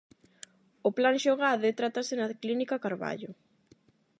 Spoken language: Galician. O Plan Xogade trátase na Clínica Carballo.